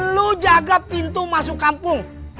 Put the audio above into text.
lu jaga pintu masuk kampung